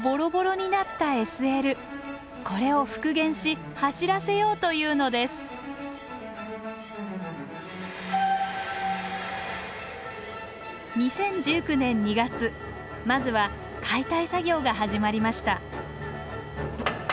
これを復元し走らせようというのですまずは解体作業が始まりました